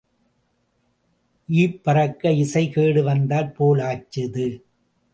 Ebb பறக்க இசை கேடு வந்தாற் போல் ஆச்சுது.